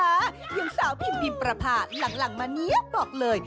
อย่างสาวพิมพ์พิมพ์ประพาหลังมาเนี๊ยบบอกเลย